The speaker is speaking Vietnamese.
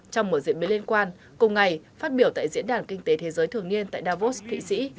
trong một diễn biến liên quan cùng ngày phát biểu tại diễn đàn kinh tế thế giới thường niên tại davos thụy sĩ